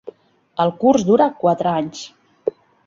El curs dura quatre anys.